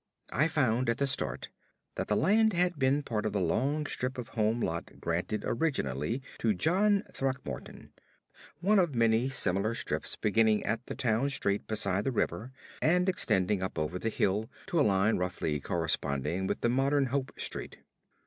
I found, at the start, that the land had been part of the long strip of home lot granted originally to John Throckmorton; one of many similar strips beginning at the Town Street beside the river and extending up over the hill to a line roughly corresponding with the modern Hope Street.